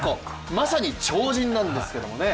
まさに超人なんですけどもね。